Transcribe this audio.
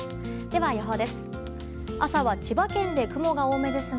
では、予報です。